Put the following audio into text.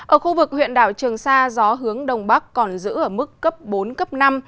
ở khu vực huyện đảo trường sa gió hướng đông bắc còn giữ ở mức cấp bốn cấp năm